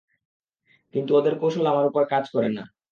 কিন্তু, ওদের কৌশল আমার উপর কাজ করে না।